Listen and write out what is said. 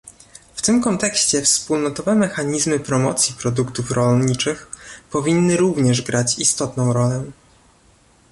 W tym kontekście wspólnotowe mechanizmy promocji produktów rolniczych powinny również grać istotną rolę